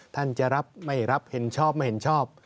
ท่านจะรับไม่รับเห็นชอบไม่เห็นชอบ